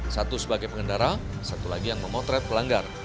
satu sebagai pengendara satu lagi yang memotret pelanggar